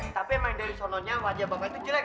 tapi yang main dari sononya wajah babi itu jelek